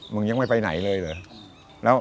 มึงยังไม่ไปไหนเลยเลย